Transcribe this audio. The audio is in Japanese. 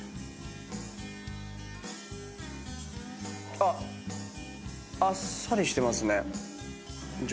あっさりしてますね。